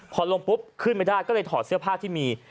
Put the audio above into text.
พอลงปุ๊บขึ้นไม่ได้ก็เลยถอดเสื้อผ้าที่มี